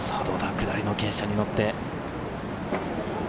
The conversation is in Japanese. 下りの傾斜に乗って。